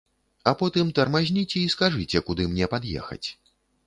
А потым тармазніце і скажыце, куды мне пад'ехаць.